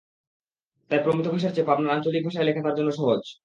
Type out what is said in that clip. তাই প্রমিত ভাষার চেয়ে পাবনার আঞ্চলিক ভাষায় লেখা তাঁর জন্য সহজ।